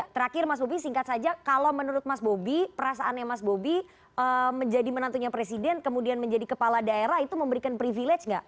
terakhir mas bobi singkat saja kalau menurut mas bobi perasaannya mas bobi menjadi menantunya presiden kemudian menjadi kepala daerah itu memberikan privilege nggak